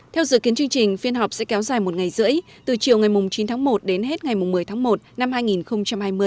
theo dự kiến chương trình phiên họp sẽ kéo dài một ngày rưỡi từ chiều ngày chín tháng một đến hết ngày một mươi tháng một năm hai nghìn hai mươi